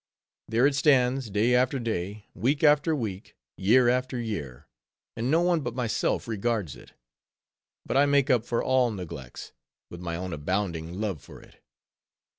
There it stands; day after day, week after week, year after year; and no one but myself regards it. But I make up for all neglects, with my own abounding love for it.